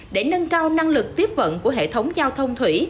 để nâng cao năng lực tiếp vận của hệ thống giao thông thủy